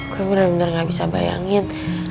gue bener bener gak bisa bayangin